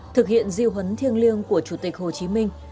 thực hiện diêu hấn thiêng liêng của chủ tịch hồ chí minh